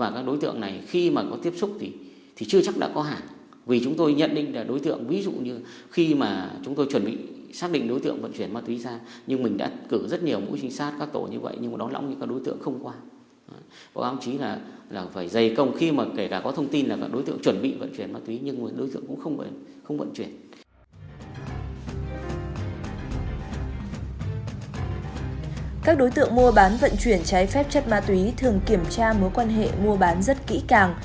các đối tượng mua bán vận chuyển trái phép chất ma túy thường kiểm tra mối quan hệ mua bán rất kỹ càng